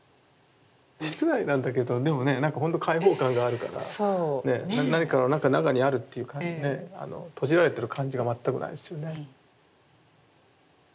室内なんだけどでもねなんかほんと開放感があるから何かのなんか中にあるっていうかね閉じられてる感じが全くないですよね。